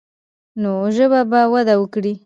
نو ژبه به وده وکړي.